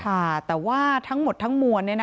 ค่ะแต่ว่าทั้งหมดทั้งมวล